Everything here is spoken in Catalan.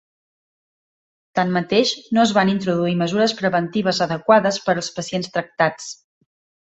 Tanmateix, no es van introduir mesures preventives adequades per als pacients tractats.